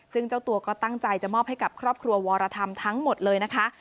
ซึ่งเจ้าตัวก็ตั้งใจจะมอบให้กับครอบครัววรธรรมทั้งหมดเลยนะคะ